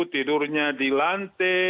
tidurnya di lantai